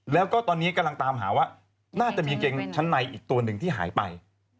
แล้วก็ตอนนี้กำลังตามหาว่าน่าจะมีกางเกงชั้นในอีกตัวหนึ่งที่หายไป